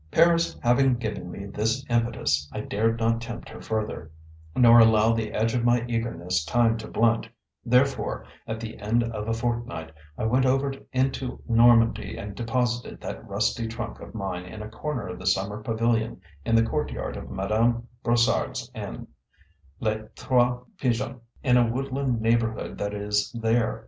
Paris having given me this impetus, I dared not tempt her further, nor allow the edge of my eagerness time to blunt; therefore, at the end of a fortnight, I went over into Normandy and deposited that rusty trunk of mine in a corner of the summer pavilion in the courtyard of Madame Brossard's inn, Les Trois Pigeons, in a woodland neighborhood that is there.